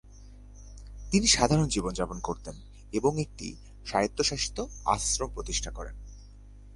তিনি সাধারণ জীবনযাপন করতেন এবং একটি স্বায়ত্তশাসিত আশ্রম প্রতিষ্ঠা করেন।